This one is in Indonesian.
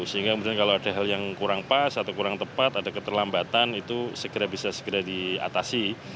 sehingga kalau ada hal yang kurang pas atau kurang tepat ada keterlambatan itu segera bisa segera diatasi